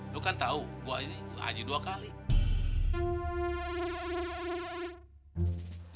lu kan tahu gua ini aji dua kali